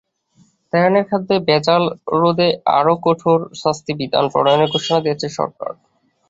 তাইওয়ানে খাদ্যে ভেজাল রোধে আরও কঠোর শাস্তির বিধান প্রণয়নের ঘোষণা দিয়েছে সরকার।